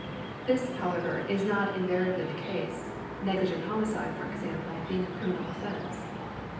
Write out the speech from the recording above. This, however, is not invariably the case, negligent homicide, for example, being a criminal offence.